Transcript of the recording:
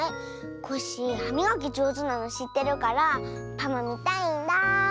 コッシーはみがきじょうずなのしってるからパマみたいんだ。